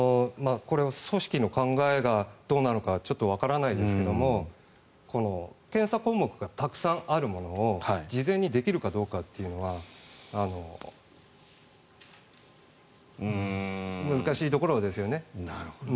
組織の考えがどうなのかはちょっとわからないですけども検査項目がたくさんあるものを事前にできるかどうかというのは難しいところですよね。